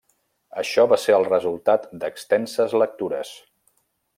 Això va ser el resultat d'extenses lectures.